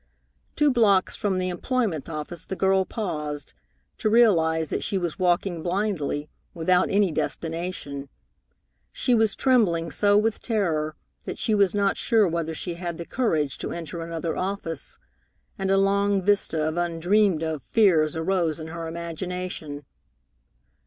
Two blocks from the employment office the girl paused, to realize that she was walking blindly, without any destination. She was trembling so with terror that she was not sure whether she had the courage to enter another office, and a long vista of undreamed of fears arose in her imagination.